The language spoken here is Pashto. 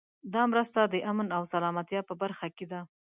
دا مرسته د امن او سلامتیا په برخه کې ده.